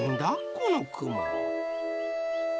このくも。